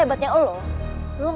sebenarnya jika sekolah ini tidak cukup